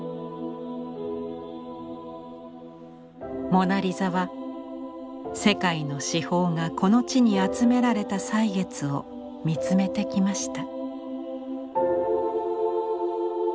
「モナ・リザ」は世界の至宝がこの地に集められた歳月を見つめてきました。